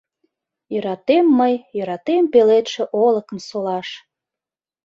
Йӧратем мый, йӧратем Пеледше олыкым солаш.